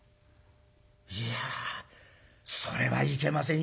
いやそれはいけませんよ